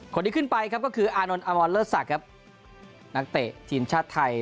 คนที่ขึ้นไปครับก็คืออานนท์อมรเลิศศักดิ์ครับนักเตะทีมชาติไทย